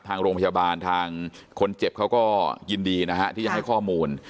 ทางโรงพยาบาลทางคนเจ็บเขาก็ยินดีนะฮะที่จะให้ข้อมูล